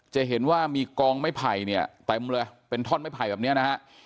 จะเห็นว่ามีกองไม้ไผ่เนี่ยเต็มเลยเป็นท่อนไม้ไผ่แบบนี้นะฮะ